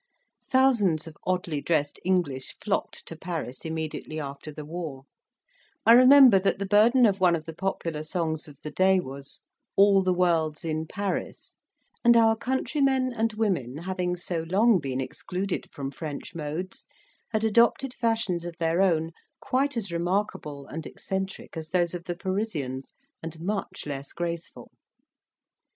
Thousands of oddly dressed English flocked to Paris immediately after the war: I remember that the burden of one of the popular songs of the day was, "All the world's in Paris;" and our countrymen and women having so long been excluded from French modes, had adopted fashions of their own quite as remarkable and eccentric as those of the Parisians, and much less graceful.